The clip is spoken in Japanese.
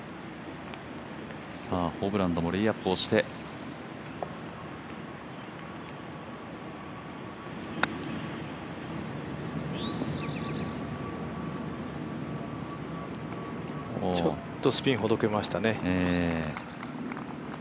ホブランドもレイアップをしてちょっとスピンほどけましたね。